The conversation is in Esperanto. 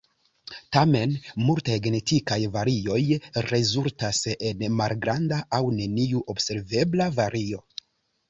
Tamen, multaj genetikaj varioj rezultas en malgranda aŭ neniu observebla vario.